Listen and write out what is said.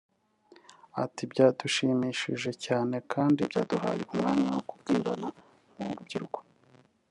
Ati "Byadushimishije cyane kandi byaduhaye umwanya wo kubwirana nk’urubyiruko